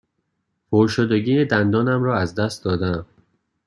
پرشدگی دندانم را از دست داده ام.